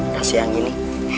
kasih yang ini